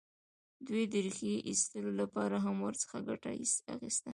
دوی د ریښې ایستلو لپاره هم ورڅخه ګټه اخیسته.